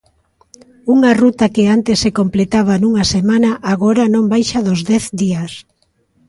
Unha ruta que antes se completaba nunha semana agora non baixa dos dez días.